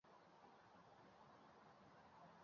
Javoban kechirim so‘rashni kutmaslik kerak.